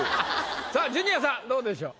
さあジュニアさんどうでしょう？